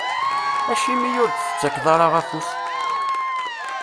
Acimi ur d-tettakeḍ ara afus?